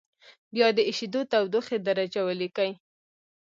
بیا د اېشېدو تودوخې درجه ولیکئ.